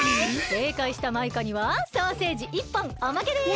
せいかいしたマイカにはソーセージ１ぽんおまけです！